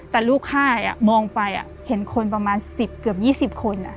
แต่ลูกค่ายมองไปเห็นคนประมาณ๑๐เกือบ๒๐คน